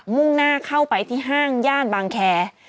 มุ่งหน้าเข้าไปที่ห้างย่านบางแคร์